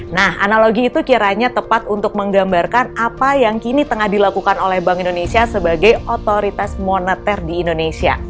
nah analogi itu kiranya tepat untuk menggambarkan apa yang kini tengah dilakukan oleh bank indonesia sebagai otoritas moneter di indonesia